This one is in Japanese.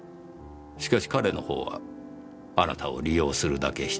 しかし彼のほうはあなたを利用するだけして捨てた。